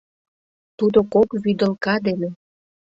Тудо кок вӱдылка дене.